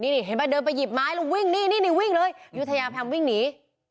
นี่เห็นไหมเดินไปหยิบไม้แล้ววิ่งนี่นี่วิ่งเลยยุธยาพยายามวิ่งหนี